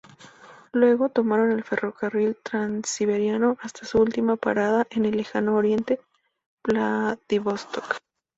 Luego, tomaron el Ferrocarril Transiberiano hasta su última parada en el Lejano Oriente, Vladivostok.